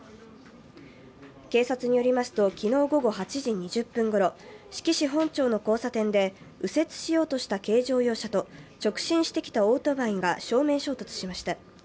警察によりますと、昨日午後８時２０分ごろ、志木市本町の交差点で右折しようとした軽乗用車と直進してきたオートバイが正面衝突しました。